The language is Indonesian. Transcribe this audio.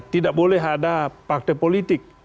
tidak boleh ada partai politik